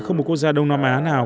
không một quốc gia đông nam á nào